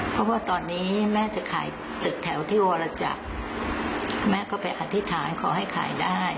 เพราะว่าตอนนี้แม่จะขายตึกแถวที่วรจักรแม่ก็ไปอธิษฐานขอให้ขายได้